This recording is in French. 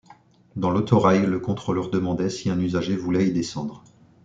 Dans l'autorail, le contrôleur demandait si un usager voulait y descendre.